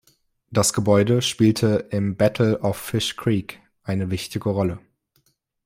Das Gebäude spielte im Battle of Fish Creek eine wichtige Rolle.